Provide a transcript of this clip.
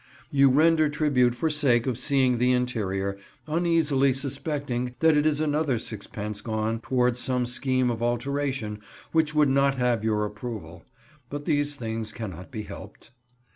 You render tribute for sake of seeing the interior, uneasily suspecting that it is another sixpence gone towards some scheme of alteration which would not have your approval; but these things cannot be helped.